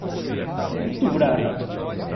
Ituverava